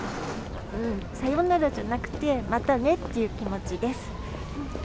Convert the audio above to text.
さよならじゃなくて、またねっていう気持ちです。